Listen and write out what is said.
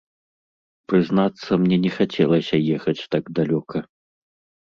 Прызнацца мне не хацелася ехаць так далёка.